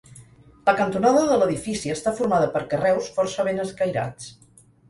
La cantonada de l'edifici està formada per carreus força ben escairats.